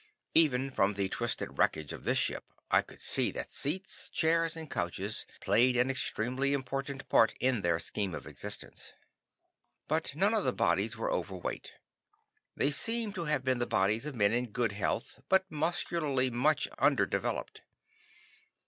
Even from the twisted wreckage of this ship I could see that seats, chairs and couches played an extremely important part in their scheme of existence. But none of the bodies were overweight. They seemed to have been the bodies of men in good health, but muscularly much underdeveloped.